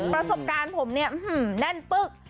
ประสบการณ์ผมเนี่ยแน่นปึ๊ก